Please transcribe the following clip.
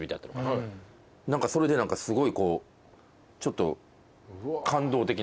何かそれですごいこうちょっと。